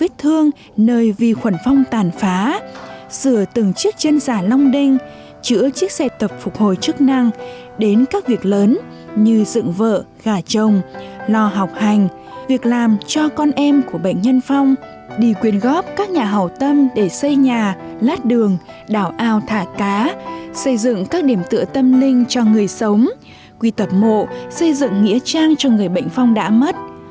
cô luôn ý thức mình là một người xây nhà lát đường đảo ao thả cá xây dựng các điểm tựa tâm linh cho người sống quy tật mộ xây dựng nghĩa trang cho người bệnh phong đã mất